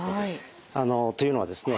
というのはですね